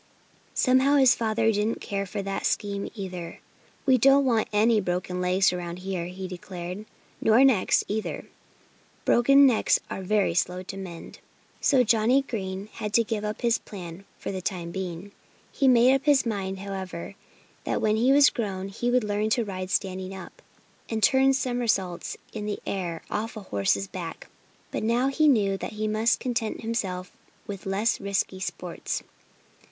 Somehow his father didn't care for that scheme either. "We don't want any broken legs around here," he declared, "nor necks, either. Broken necks are very slow to mend." So Johnnie Green had to give up his plan, for the time being. He made up his mind, however, that when he was grown up he would learn to ride standing up and turn somersaults in the air off a horse's back. But now he knew that he must content himself with less risky sports.